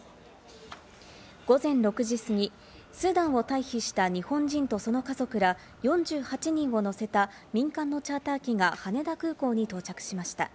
午前６時過ぎ、スーダンを退避した日本人と、その家族ら４８人を乗せた民間のチャーター機が羽田空港に到着しました。